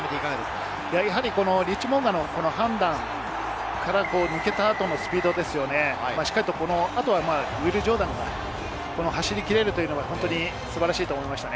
リッチー・モウンガの判断から抜けた後のスピード、ウィル・ジョーダンが走りきれるというのが本当に素晴らしいと思いました。